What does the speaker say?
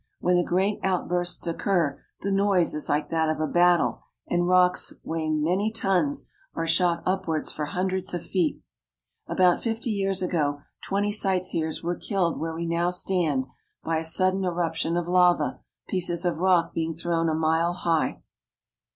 When the great out bursts occur the noise is like that of a battle, and rocks 426 ITALY. weighing many tons are shot upwards for hundreds of feet. About fifty years ago twenty sightseers were killed where we now stand, by a sudden eruption of lava, pieces of rock being thrown a mile high.